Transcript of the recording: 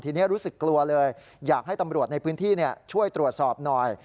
ทีนี้รู้สึกกลัวเลยอยากให้ตำรวจในพื้นที่ช่วยตรวจสอบหน่อย